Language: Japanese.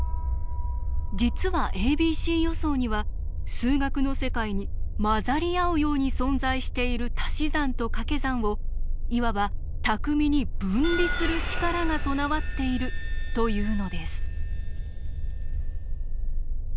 実はａｂｃ予想には数学の世界に混ざり合うように存在しているたし算とかけ算をいわば巧みに分離する力が備わっているというのです。